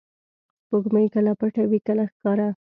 • سپوږمۍ کله پټه وي، کله ښکاره.